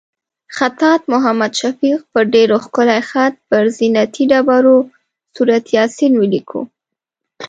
خطاط محمد شفیق په ډېر ښکلي خط پر زینتي ډبرو سورت یاسین ولیکلو.